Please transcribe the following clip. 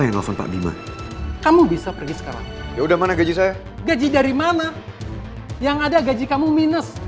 yang ada gaji kamu minus